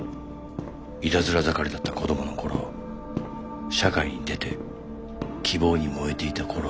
いたずら盛りだった子供の頃社会に出て希望に燃えていた頃を。